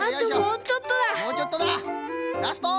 もうちょっとだ！ラスト！